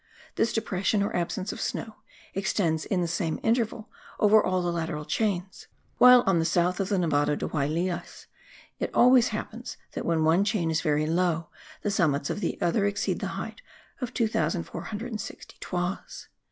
This depression, or absence of snow, extends in the same interval, over all the lateral chains; while, on the south of the Nevado de Huaylillas, it always happens that when one chain is very low, the summits of the other exceed the height of 2460 toises.